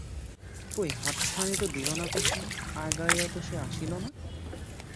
কই, হাতছানি তো দিল না কুসুম, আগাইয়া তো সে আসিল না?